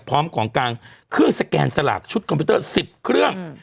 พร้อมของกลางเครื่องสแกนสลากชุดคอมพิวเตอร์๑๐เครื่อง